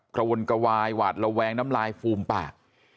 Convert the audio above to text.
กระวนกระวายหวาดระแวงน้ำลายฟูมปาก